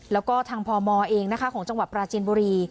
แล้วก็ทางพมเองนะคะของจังหวัดปราจินบุรี